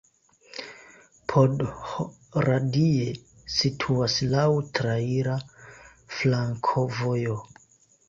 Podhradie situas laŭ traira flankovojo.